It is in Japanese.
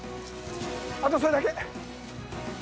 あとそれだけ。